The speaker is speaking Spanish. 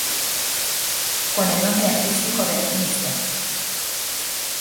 Con el nombre artístico de ""Mr.